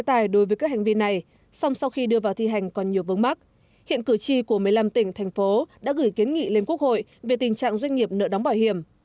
tổng thống của một mươi năm tỉnh thành phố đã gửi kiến nghị lên quốc hội về tình trạng doanh nghiệp nợ đóng bảo hiểm